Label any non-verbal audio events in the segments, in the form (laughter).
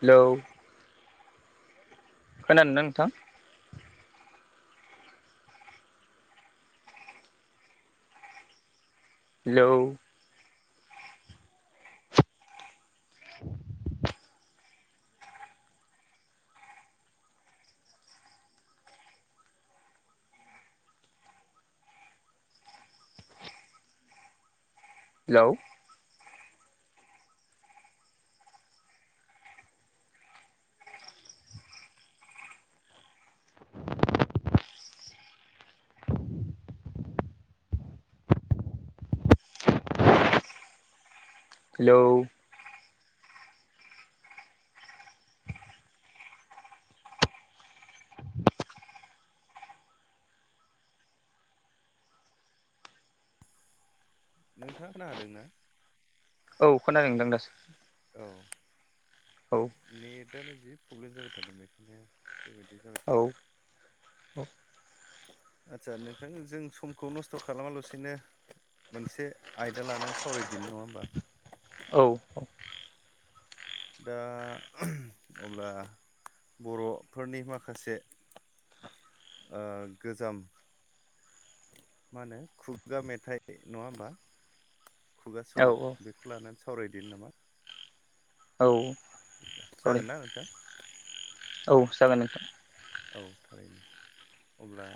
Hello खोनादोंना नोंथां? Hello (inaudible) hello hello नोंथांआ खोना हादों ना? औ खोनादों नोंथां दासो औ औ नेटआनो जि प्रब्लेम जाबाय थादों बेनिखायनो बेबायदि जाबाय थादों औ आदसा नोंथां जों समखौ नस्थ' खालामालसनो मोनसे आयदा लानानै सावरायदिनि नंङा होमबा? औ दा ओह अब्ला बर'फोरनि माखासे ओ गोजाम मा होनो खुगा मेथाइ नंङा होमबा? खुगा औ सल' बेखौ लानानै सावरायदोनि नडा होमबा औ जा सरि जागोनना नोंथां? औ जागोन नोंथां औ थारैनो अब्ला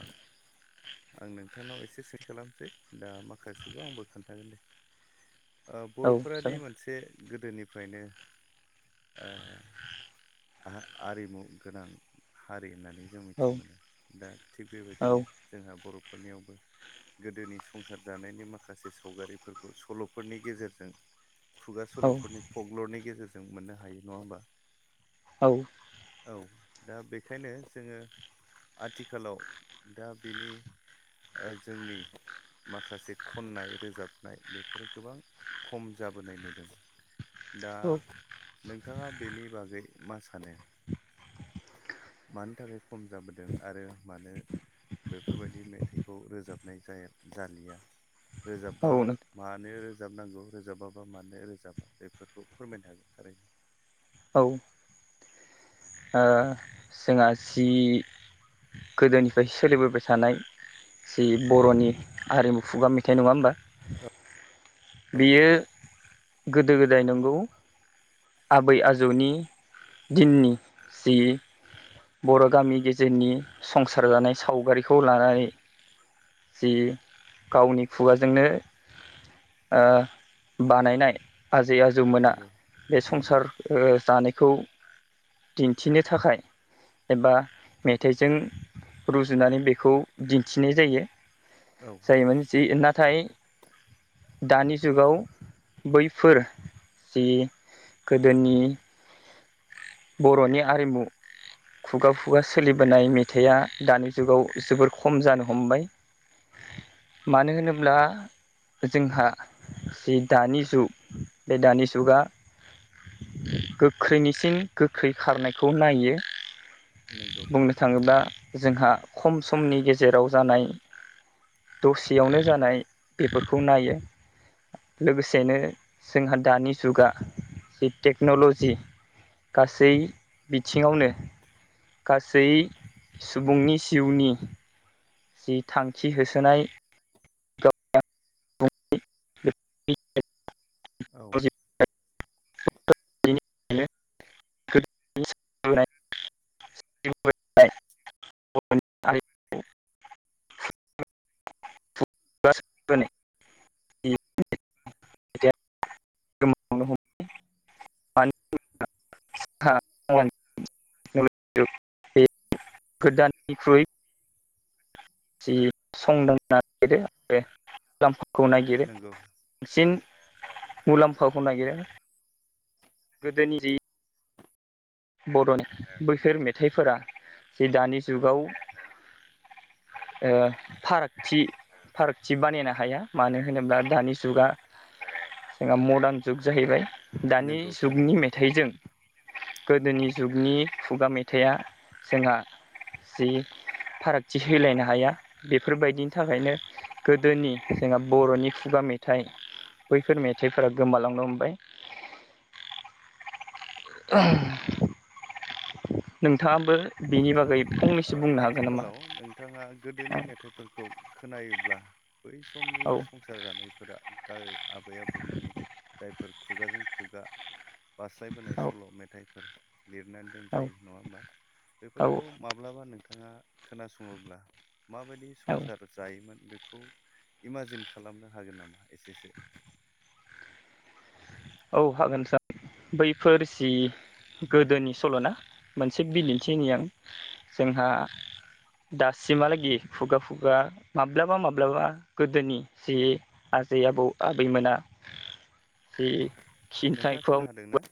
आं नोंथांनाव एसे से खालामनोसै दा माखासेखौ आंबो खोन्थागोन दे ओ औ बर'फोरानि जागोन मोनसे गोदोनिफ्रायनो ओह आं आरिमु गोनां हारि होननानै जों औ मिथि मोनो दा थिग औ बेबायदिनो जोंहा बर'फोरनिआवबो गोदोनि संसार जानायनि माखासे सावगारिफोरखौ सल'फोरनि गेजेरजों खुगा औ औ सल'फोरनि प्कलर'नि गेजेरजों मोननो हायो नंङा होमबा? औ औ औ दा बेखायनो जोङो आथिखालाव दा बिनि ओ जोंनि माखासे खननाय रोजाबनाय बेफोरो गोबां खम जाबोनाय नुदों दा नोंथांआ बेनि बागै मा सानो? मानो थाखाय खम जाबोदों आरो मानो? बेफोरबायदि मेथाइखौ रोजाबनाय जाया जालिया नोंथां औ रोजाबबा मानो रोजाबनांगौ रोजाबाबा मानो रोजाबा बेफोरखौ फोरमायनो हागोन थारैनो। ओ जोंहा जि गोदोनिफ्राय सोलिबोबाय थानाय जि बर'नि हारिमु खुगा मेथाइ नङा होमबा? औ बियो गोदो गोदाय नंगौ। आबै आजौनि दिननि जि बर' गामि गेजेरनि संसार जानाय सावगारिखौ लानानै जि गावनि खुगाजोंनो ओ बानायनाय आजै आजौमोना नंगौ बे नंगौ संसार ओ जानायखौ दिन्थिनो थाखाय एबा मेथाइजों रुजुनानै बेखौ दिन्थिनाय जायो। औ जायोमोन जि नाथाय दानि जुगाव बैफोर जि‌ गोदोनि बर'नि आरिमु। खुगा खुगा सोलिबोनाय मेथाइआ दानि जुगाव जोबोर खम जानो हमबाय। मानो होनोब्ला जोंहा जि दानि जुग बे दानि जुगा गोख्रैनिसिम गोख्रै खारनायखौ नायो। नोंगौ। बुंनो थाङोब्ला जोंहा खम समनि गेजेराव जानाय दसेयावनो जानाय बेफोरखौ नायो। लोगोसेनो जोंहा दानि जुगा जि टेक्न'ल'जि गासै बिथिङावनो गासै सुबुंनि जिउनि जि थांखि होसोनाय गाव औ (unintelligible) (unintelligible) (unintelligible) (unintelligible) (unintelligible) (unintelligible) बे गोदाननिख्रुइ (unintelligible) दामखौ नागिरो नंगौ बांसिन मुलाम्फाखौ नागिरो गोदोनि जि बरनि बैफोर मेथाइफोरा जे दानि जुगाव ओ फारागथि फारागथि बानायनो हाया मानो होनोब्ला दानि जुगा जोंहा मदार्न जुग जाहैबाय दानि नंगौ जुगनि थारैनो मेथाइजों गोदोनि जुगनि खुगा मेथाइया जोंहा जि फारागथि होलायनो हाया बेफोरबायदिनि थाखायनो गोदोनि जोंहा बर'नि खुगा मेथाइ बैफोर मेथाइफोरा गोमालांनो हमबाय। (unintelligible) नोंथाङाबो बिनि बागै ओ फंनैसो बुंनो हागोन नामा आथिखालाव बिथांआ गोदोनि मेथाइफोरखौ खोनायोब्ला बै समनि औ सं संसार जानायफोरा गा आबै-आबौमोननि जायफोर खुगाजों खुगा बास्लायबोनाय औ सल' मेथाइफोर लिरनानै दोनजायो नङा होमबा। औ बेफोरखौ माब्लाबा नोंथां नोंथाङा खोनासङोब्ला माबायदि औ संसार जायोमोन, बेखौ इमाजिन खालामनो हागोन नामा एसे-एसे औ हागोन सार। बैफोर जि गोदोनि सल'ना, मोनसे बिदिन्थि होनि आं, जोंहा दासिमहालागि खुगा-खुगा माब्लाबा-माब्लाबा गोदोनि जि आजै आबौ-आबैमोना जि नोंथाङा खिन्थायखौ खोनादों ना?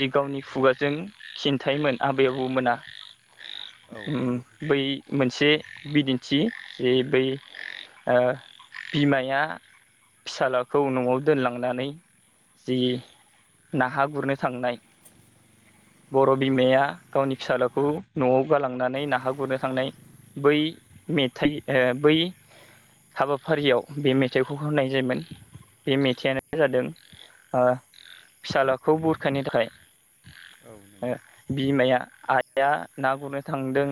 जि गावनि खुगाजों खिन्थायोन आबै आबौमोना। औ उम नंगौ बै मोनसे बिदिन्थि जे बै ओ बिमाया फिसालाखौ न'आव दोनलांनानै जि नाहा गुरनो थांनाय बर' बिमाया गावनि फिसालाखौ न'आव गालांनानै नाहा गुरनो थांनाय। बै मेथाइ आ बै हाबाफारियाव बे मेथाइखौ होनाय जायोन। बे मेथाइआनो जादों औ फिसाालाखौ बुरखायनो थाखाय औ ओ नंगौ। बिमाया आइआ ना गुरनो थांदों,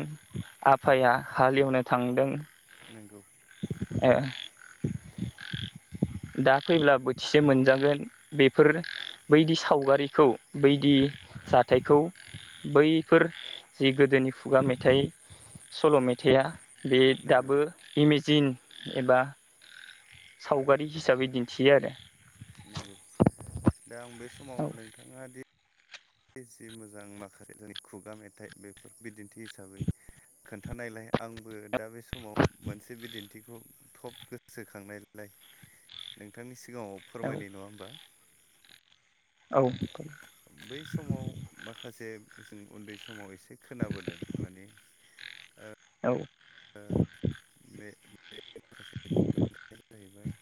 आफाया हालेवनो थांदों, नोंगौ (inaudible) दा फैल्बा बोथिसे मोनजागोन बेफोर बैदि सावगारिखौ बैदि मेथाइखौ बैफोर गोदोनि जि खुगा मेथाइ सल' मेथाइा बे नंगौ दाबो इमेजिन एबा सावगारि हिसाबै दिन्थियो आरो नंगौ दा आं बे समाव नोंथाङा दि दि एसे मोजां माखासे जोंनि खुगा मेथाइ बेफोर बिदिन्थि हिसाबै खोन्थानायलाय आंबो दा बे समाव मोनसे बिदिन्थि थिखौ थब गोसोखांनायलाय नोंथांनि सिगाङाव औ फोरमायनि नङा होमबा औ बै समाव माखासे जों उन्दै समाव एसे खोनाबोदों माने औ ओ (unintelligible) माखासे (unintelligible) (inaudible) (unintelligible) जाहैबाय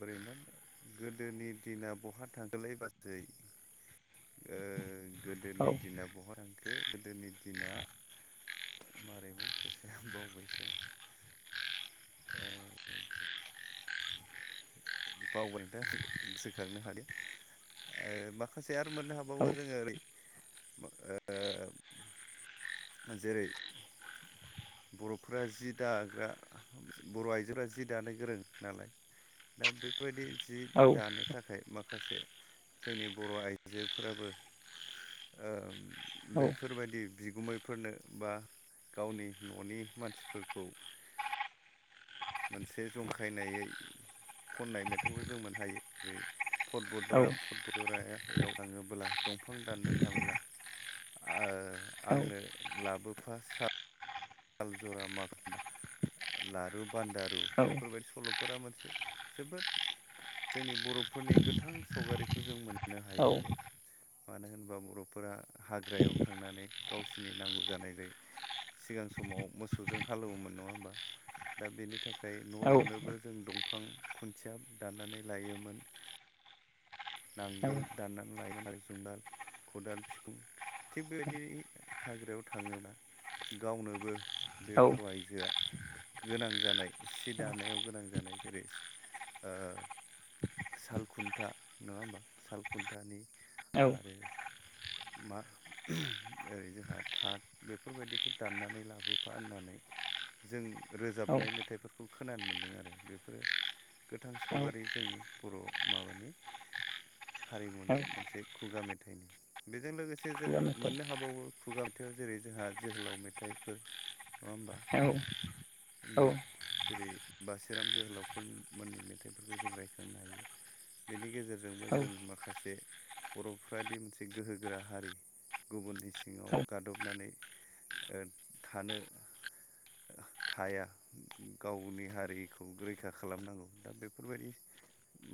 बोरैमोन गोदोनि दिना बहा थांखोलै बाजै ओ औ गोदोनि दिना बहा थांखो खो गोदोनि दिना मारैमोन ससेया बावबायसो ओ बावबाय नोंथां गोसोखांनो हादिया ओ माखासे आरो मोननो हाबावो औ बो जोङो ओरै ओ जेरै बर'फोरा जि दाग्रा बर' आइजोफोरा जि दानो गोरों नालाय दा बेफोरबायदि जि दानो थाखाय माखासे जोंनि बर'आइजोफोराबो ओम औ बैफोरबायदि बिगुमैफोरनो बा गावनि न'नि मानसिफोरखौ मोनसे जंखायनायै खननाय मेथाइखौबो जों मोनहायो जेरै फरबट जरा फरबट जरायाव थाङोब्ला दंफां दाननो थाबोला आह आंनो लाबोफा सा साल जरा माखु जरा लारु बान्दारु औ बेफोरबायदि सल'फोरा मोनसे जोबोद जोंनि बर'फोरनि गोथां सावगारिखौ जों मोननो हायो आरो। मानो होनबा बर'फोरा हाग्रायाव थांनानै गावसिनि नांगौ जानाय जाय सिगां समाव मोसौजों हालौवोमोन नङा होमबा? दा बेनि थाखाय न' लुनोबो जों दंफां खुन्थिया दाननानै लायोमोन। (inaudible) नांगोल दाननानै लायोमोन आरो जुंगाल खदाल बिखुं थिग बेबायदि हाग्रायाव थाङोबा गावनो बो बे बर' आइजोआ गोनां जानाय सि दानायाव गोनां जानाय जेरै ओ सालखुन्था नङा होमबा? सालखुन्थानि आरो मा ओरै जोंहा थाथ बेफोरबायदिखौ दाननानै ला लाबोफा होननानै जों औ रोजाबनाय मेथाइफोरखौ खोनानो मोनदों आरो बेफोरो गोथां सावगारि जोंनि बर' माबानि औ हारिमुनि मोनसे खुगा मेथाइनि। बेजों लोगोसे जों खुगा मेथाइ मोननो हाबावो खुगा मेथायाव जेरै जोंहा जोहोलाव मेथाइफोर औ औ मिद जेरै बासिराम जोहोलावफोर मोननि मेथाइफोरखौ जों रायखांनो हायो। बेनि गेजेरजोंबो औ जों माखासे बर'फ्रादि मोनसे गोहोगोरा हारि गुबुननि सिङाव गादबनानै ओ थानो थाया गावनि हारिखौ रैखा खालामनांगौ दा बेफोरबायदि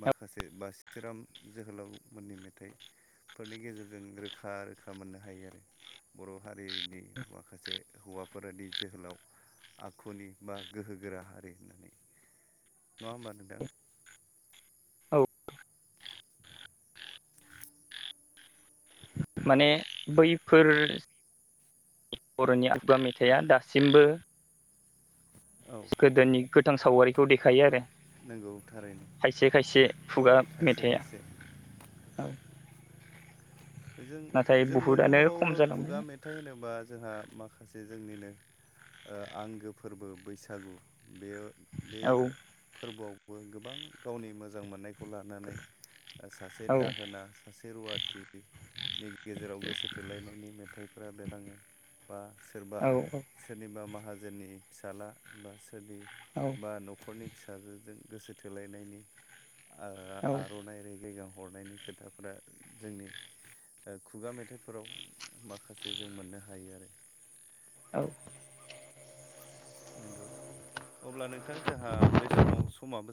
माखासे बासिराम जोहोलाव मोननि मेथाइ फोरनि गेजेरजों रोखा रोखा मोननो हायो आरो बर' हारिनि माखासे हौवाफोरादि जोहोलाव आखुनि बा गोहोगोरा हारि होननानै। नङा होमबा नोंथां? औ माने बैफोर बर'नि आगुया मेथाइआ दासिमबो औ गोदोनि गोथां सावगारिखौ देखायो आरो। नंगौ थारैनो खायसे खायसे खुगा खायसे मेथाइआ। खायसे औ जों नाथाय जों मोननो बुहुदआनो खम हाबावो खुगा जालांबाय मेथाइ होनोबा जोंहा माखासे जोंनिनो ओ आंगो फोरबो बैसागु बेयो बे औ फोरबोआवबो गोबां गावनि मोजां मोननायखौ लानानै ओ सासे औ दाहोना सासे रुवाथि नि गेजेराव गोसो थोलायनायनि मेथाइफोरा बेखाङो। बा सोरबा औ सोरनिबा माहाजोननि फिसाला बा सोरनि औ बा नखरनि फिसाजोजों गोसो थोलायनायनि आ औ आर'नाइ रेगे रेगां हरनायनि खोथाफोरा जोंनि ओ खुगा मेथाइफोराव माखासे जों मोननो हायो आरो। औ नंगौ अब्ला नोंथां जोंहा बे समाव समाबो जा